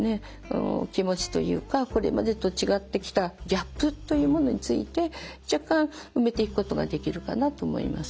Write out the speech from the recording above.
気持ちというかこれまでと違ってきたギャップというものについて若干埋めていくことができるかなと思います。